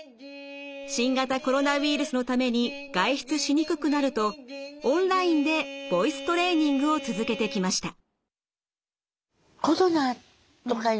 新型コロナウイルスのために外出しにくくなるとオンラインでボイストレーニングを続けてきました。